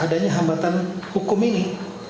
adanya hambatan hukum ini